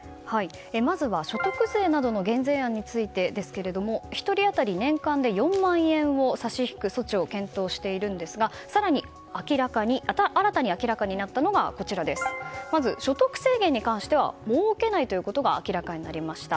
まずは所得税などの減税案についてですが１人当たり年間で４万円を差し引く措置を検討しているんですが更に新たに明らかになったのが所得制限に関しては設けないということが明らかになりました。